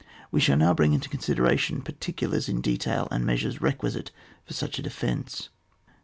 We shall now bring into consider ation particulars in detail, and measures requisite for such a defence.